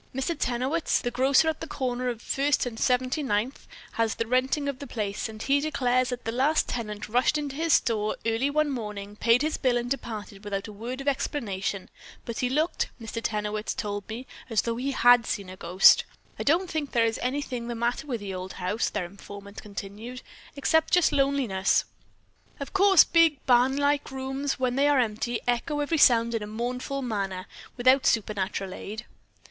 Mr. Tenowitz, the grocer at the corner of First and Seventy ninth has the renting of the place, and he declares that the last tenant rushed into his store early one morning, paid his bill and departed without a word of explanation, but he looked, Mr. Tenowitz told me, as though he had seen a ghost. I don't think there is anything the matter with the old house," their informant continued, "except just loneliness. "Of course, big, barnlike rooms, when they are empty, echo every sound in a mournful manner without supernatural aid."